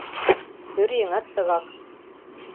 Пӧръеҥат тыгак...